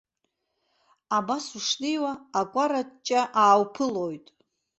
Абас ушнеиуа, акәара-ҷҷа аауԥылоит.